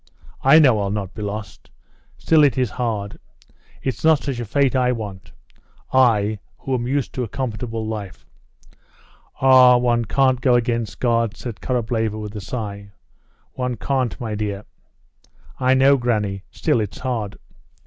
"I know I'll not be lost; still it is hard. It's not such a fate I want I, who am used to a comfortable life." "Ah, one can't go against God," said Korableva, with a sigh. "One can't, my dear." "I know, granny. Still, it's hard."